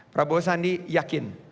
prabowo sandi yakin